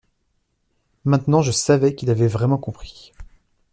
Maintenant je savais qu’il avait vraiment compris.